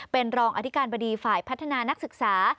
เป็นรองอธิการบดีฝ่ายพัฒนานักศึกษา